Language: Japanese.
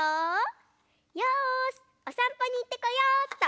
よしおさんぽにいってこようっと。